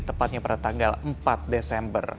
tepatnya pada tanggal empat desember